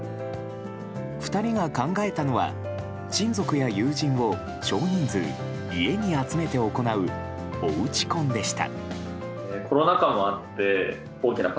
２人が考えたのは、親族や友人を少人数家に集めて行うおうち婚でした。